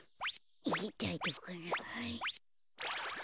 だいじょうぶかな。